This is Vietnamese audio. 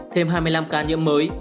thêm hai mươi năm ca nhiễm mới